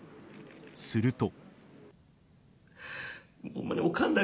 すると。